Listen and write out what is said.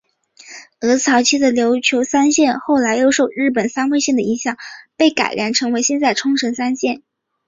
而早期的琉球三线后来又受日本三味线的影响被改良成现在的冲绳三线。